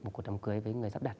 một cuộc đám cưới với người dắp đặt